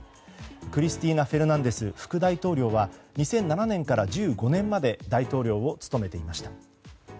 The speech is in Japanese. クリスティーナ・フェルナンデス副大統領は２００７年から１５年まで大統領を務めていました。